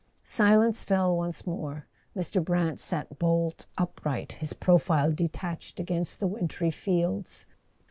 Silence fell once more. Mr. Brant sat bolt upright, his profile detached against the wintry fields.